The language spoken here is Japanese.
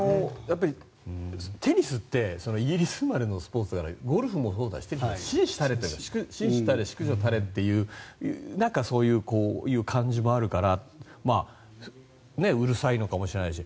テニスってイギリス生まれのスポーツだからゴルフもそうだしテニスって紳士たれ、淑女たれというそういう感じもあるからうるさいのかもしれないし。